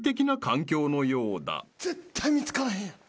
絶対見つからへんやん。